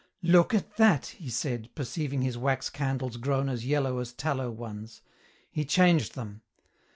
"Look at that," he said, perceiving his wax candles grown as yellow as tallow ones. He changed them.